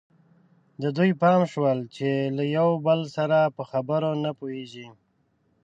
د دوی پام شول چې له یو بل سره په خبرو نه پوهېږي.